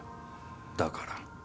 だから？